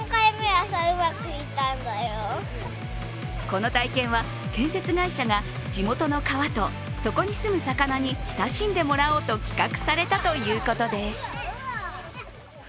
この体験は建設会社が、地元の川とそこに住む魚に親しんでもらおうと企画されたということです。